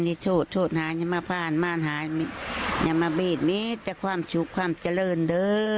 ทีนี้โทษมาที่บ้านเลยมาบีดจะความชุบความเจริญด้อ